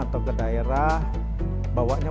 atau ke daerah bawanya